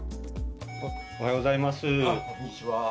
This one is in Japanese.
おはようございます。